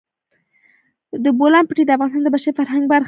د بولان پټي د افغانستان د بشري فرهنګ برخه ده.